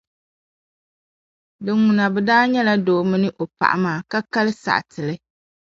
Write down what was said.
dinŋuna bɛ daa nyɛla doo mini o paɣa maa, ka kali saɣi ti li.